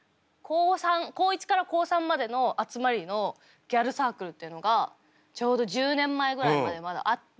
高１から高３までの集まりのギャルサークルっていうのがちょうど１０年前ぐらいまでまだあって。